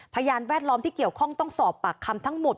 พยานแวดล้อมที่เกี่ยวข้องต้องสอบปากคำทั้งหมด